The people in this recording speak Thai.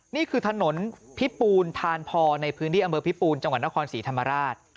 นี่คือถนนพิปูนทานพอในพื้นที่อำเภอพิปูนจังหวัดนครศรีธรรมราช